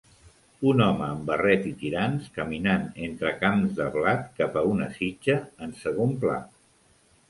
Un home amb barret i tirants caminant entre camps de blat cap a una sitja en segon pla